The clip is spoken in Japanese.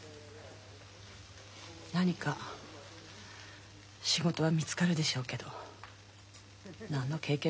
何か仕事は見つかるでしょうけど何の経験もないんだもんね。